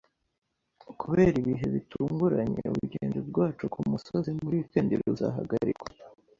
Kubera ibihe bitunguranye, urugendo rwacu kumusozi muri wikendi ruzahagarikwa